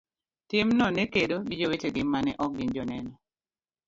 timno ne kedo gi jowetegi ma ne ok gin Joneno.